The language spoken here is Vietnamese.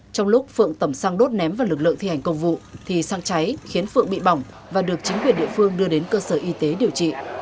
trong lúc phượng tẩm xăng đốt ném vào lực lượng thi hành công vụ thì xăng cháy khiến phượng bị bỏng và được chính quyền địa phương đưa đến cơ sở y tế điều trị